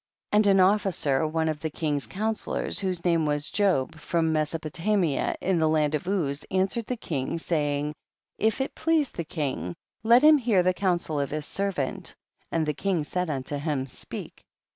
And an officer, one of the king's counsellors, whose name was Job, from Mesopotamia, in the land of Uz, answered the king, saying, 16. If it please the king, let him hear the counsel of his servant ; and the king said unto him, speak.